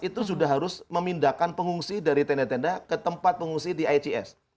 itu sudah harus memindahkan pengungsi dari tenda tenda ke tempat pengungsi di ics